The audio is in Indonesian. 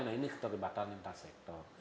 nah ini keterlibatan lintas sektor